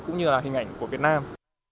cũng như là hình ảnh của việt nam